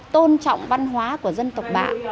tôn trọng văn hóa của dân tộc bạn